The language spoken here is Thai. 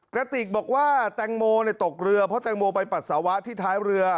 กระติกบอกว่าแตงโมตกเรือเพราะแตงโมไปปัสสาวะที่ท้ายเรือ